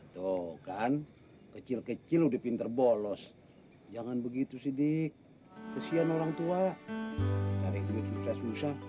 tuh kan kecil kecil udah pinter bolos jangan begitu sidik kesian orang tua cari duit susah susah